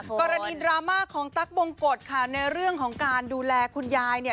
กรณีดราม่าของตั๊กบงกฎค่ะในเรื่องของการดูแลคุณยายเนี่ย